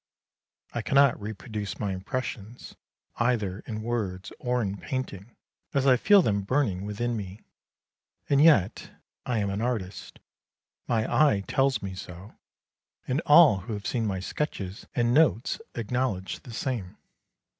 I cannot reproduce my impressions either in words or in painting, as I feel them burning within me. And yet I am an artist, my eye tells me so, and all who have seen my sketches and notes acknowledge the same.